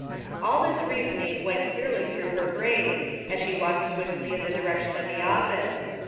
All this reasoning went clearly through her brain, as she walked swiftly in the direction of the office.